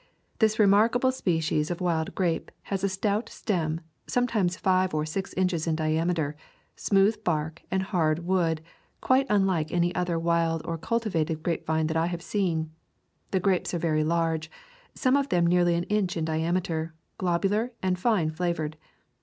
This remarkable species of wild grape has a stout stem, sometimes five or six inches in diameter, smooth bark and hard wood, quite unlike any other wild or cultivated grapevine that I have seen. The grapes are very large, some of them nearly an inch in diameter, globular and fine flavored.